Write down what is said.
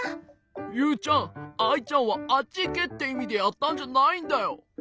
ユウちゃんアイちゃんはあっちいけっていみでやったんじゃないんだよ。